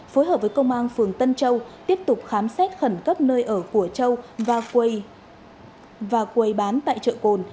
phối hợp với công an phường tân châu tiếp tục khám xét khẩn cấp nơi ở của châu và quầy bán tại chợ cồn